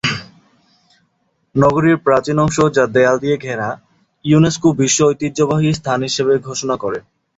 নগরীর প্রাচীন অংশ যা দেয়াল দিয়ে ঘেরা, ইউনেস্কো বিশ্ব ঐতিহ্যবাহী স্থান হিসেবে ঘোষণা করে।